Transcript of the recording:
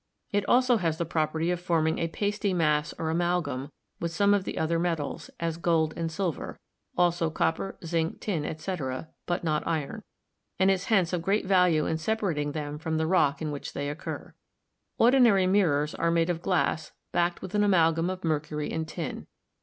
It also has the property of forming a pasty mass or amalgam with some of the other metals, as gold and silver (also copper, zinc, tin, etc., but not iron), and is hence of great value in separating them from the rock in which they occur. Ordinary mirrors are made of glass backed with an amalgam of mercury and tin.